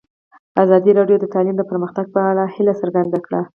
ازادي راډیو د تعلیم د پرمختګ په اړه هیله څرګنده کړې.